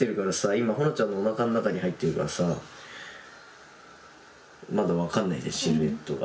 今ほのちゃんのおなかの中に入ってるからさまだ分かんないじゃんシルエットが。